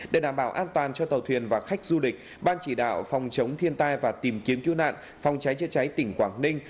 để đảm bảo an toàn cho tàu thuyền và khách du lịch ban chỉ đạo phòng chống thiên tai và tìm kiếm cứu nạn phòng cháy chữa cháy tỉnh quảng ninh